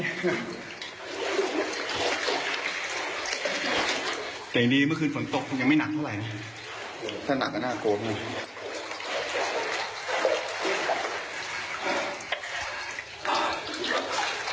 แต่อย่างนี้เมื่อคืนฝนตกยังไม่หนักเท่าไรนะถ้านักก็น่ากลบนึง